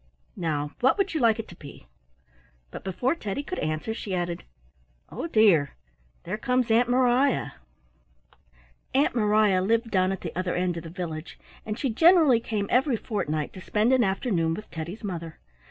Now what would you like it to be?" But before Teddy could answer she added, "Oh dear! There comes Aunt Mariah." Aunt Mariah lived down at the other end of the village, and she generally came every fortnight to spend an afternoon with Teddy's mother.